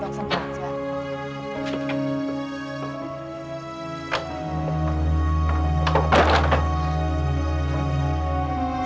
dan rasanya ada kegaduhan mbah